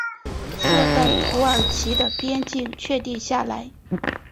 现代土耳其的边境确定下来。